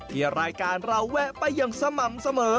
ที่รายการเราแวะไปอย่างสม่ำเสมอ